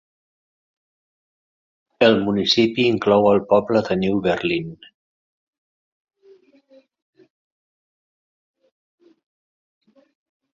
El municipi inclou el poble de New Berlin.